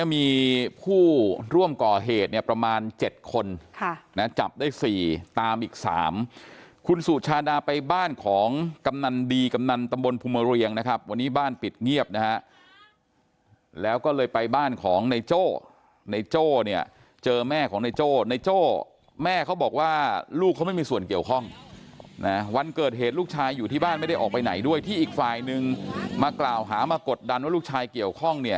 มีผู้ร่วมก่อเหตุเนี้ยประมาณเจ็ดคนค่ะนะจับได้สี่ตามอีกสามคุณสุชาดาไปบ้านของกำนันดีกำนันตำบลภูมิเรียงนะครับวันนี้บ้านปิดเงียบนะฮะแล้วก็เลยไปบ้านของในโจ้ในโจ้เนี้ยเจอแม่ของในโจ้ในโจ้แม่เขาบอกว่าลูกเขาไม่มีส่วนเกี่ยวข้องนะวันเกิดเหตุลูกชายอยู่ที่บ้านไม่ได้ออกไปไหนด้วย